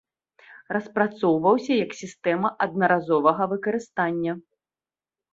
Распрацоўваўся як сістэма аднаразовага выкарыстання.